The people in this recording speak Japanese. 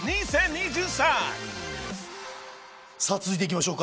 続いていきましょうか。